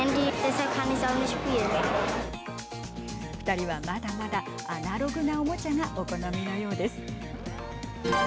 ２人は、まだまだアナログなおもちゃがお好みのようです。